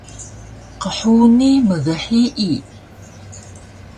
Qhuni mghiyi